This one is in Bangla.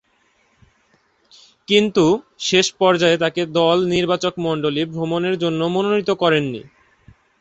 কিন্তু, শেষ পর্যায়ে তাকে দল নির্বাচকমণ্ডলী ভ্রমণের জন্যে মনোনীত করেনি।